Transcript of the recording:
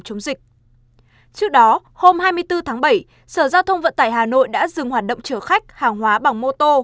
trước đó hôm hai mươi bốn tháng bảy sở giao thông vận tải hà nội đã dừng hoạt động chở khách hàng hóa bằng mô tô